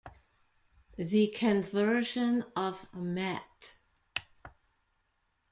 The conversion of Met.